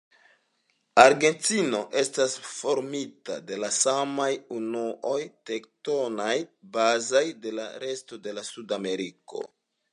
Argentino estas formita de la samaj unuoj tektonaj bazaj de la resto de Sudameriko.